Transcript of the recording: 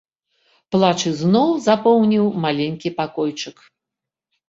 Плач зноў запоўніў маленькі пакойчык.